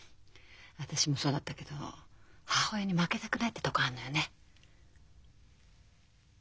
私もそうだったけど母親に負けたくないってとこあんのよね。